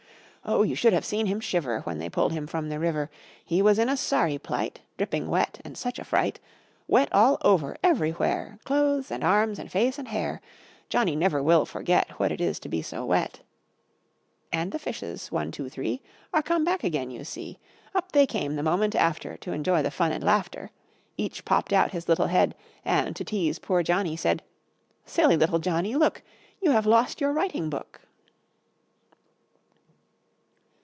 Oh! you should have seen him shiver When they pulled him from the river. He was in a sorry plight! Dripping wet, and such a fright! Wet all over, everywhere, Clothes, and arms, and face, and hair: Johnny never will forget What it is to be so wet. And the fishes, one, two, three, Are come back again, you see; Up they came the moment after, To enjoy the fun and laughter. Each popped out his little head, And, to tease poor Johnny, said "Silly little Johnny, look, You have lost your writing book!"